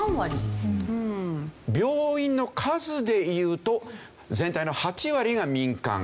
病院の数で言うと全体の８割が民間。